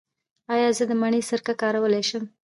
ایا زه د مڼې سرکه کارولی شم؟